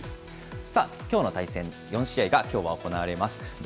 さあ、きょうの対戦、４試合がきょうは行われます。